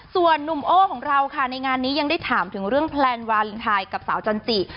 ส่วนนุ่มโอ้ของเราค่ะในงานนี้ยังได้ถามถึงเรื่องแพลนวาลินไทยกับสาวจันจิ